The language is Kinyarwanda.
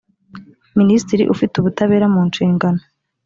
minisitiri ufite ubutabera mu nshingano